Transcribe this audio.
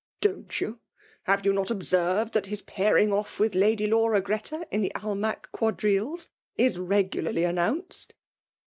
''Don't ]rou ? Have you not observed that has pairing off with Lady Laura Greta in the Ahnack quadrilles^ is regularly announced